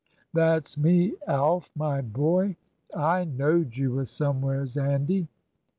"That's me, Alf, my boy; I know'd you was somewheres 'andy."